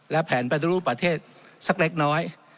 และแผนปฏิรูปประเทศสักเล็กน้อย